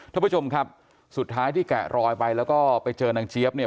ท่านผู้ชมครับสุดท้ายที่แกะรอยไปแล้วก็ไปเจอนางเจี๊ยบเนี่ย